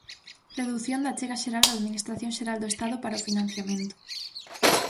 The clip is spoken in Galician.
Redución da achega xeral da Administración xeral do Estado para o financiamento.